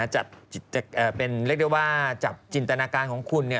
จัดเป็นเรียกได้ว่าจับจินตนาการของคุณ